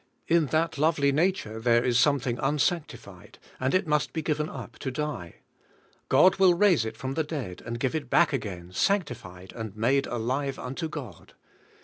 In that lovely nature there is something unsanctified, and it must be given up to die. God will raise it from the dead and give it back again, sanctified and made alive unto God.